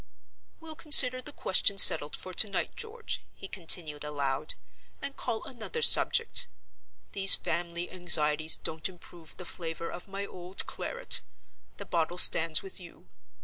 —We'll consider the question settled for to night, George," he continued, aloud, "and call another subject. These family anxieties don't improve the flavor of my old claret. The bottle stands with you.